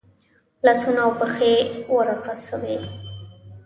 لاسونه او پښې ورغوڅوي.